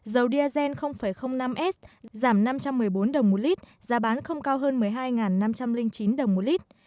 dầu diazen năm s giảm năm trăm một mươi bốn đồng một lít giá bán không cao hơn một mươi hai năm trăm linh chín đồng một lít